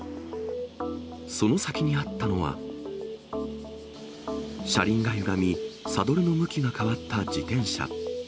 その先にあったのは、車輪がゆがみ、サドルの向きが変わった自転車。